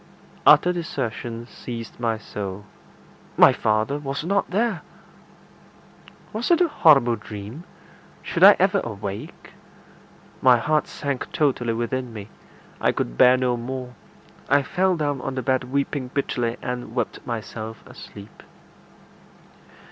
Utter desertion seized my soul my father was not there! Was it a horrible dream? Should I ever awake? My heart sank totally within me. I could bear no more. I fell down on the bed weeping bitterly, and wept myself asleep.